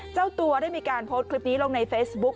เจ้าตัวได้มีการโพสต์คลิปนี้ลงในเฟซบุ๊ค